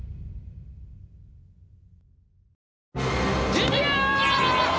ジュニア！